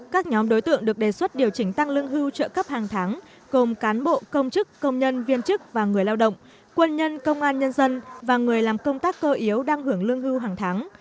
các nhóm đối tượng được đề xuất điều chỉnh tăng lương hưu trợ cấp hàng tháng gồm cán bộ công chức công nhân viên chức và người lao động quân nhân công an nhân dân và người làm công tác cơ yếu đang hưởng lương hưu hàng tháng